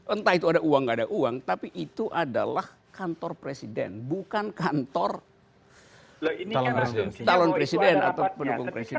entah itu ada uang nggak ada uang tapi itu adalah kantor presiden bukan kantor calon presiden atau pendukung presiden